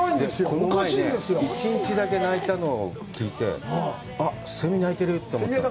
この前、１日だけ鳴いたのを聞いて、あっ、セミ鳴いてると思った。